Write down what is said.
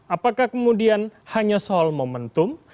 apakah kemudian hanya soal momentum